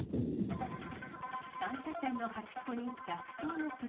３車線の端っこに逆走の車。